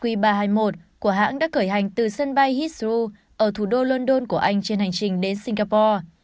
của hãng đã cởi hành từ sân bay heathrow ở thủ đô london của anh trên hành trình đến singapore